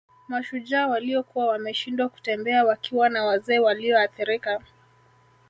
Mashujaa waliokuwa wameshindwa kutembea wakiwa na wazee walioathirika